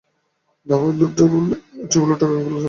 ধাপাবাজ লােকটার পাল্লায় পড়ে টাকাগুলাে আক্কেল সেলামি দিতে হলাে।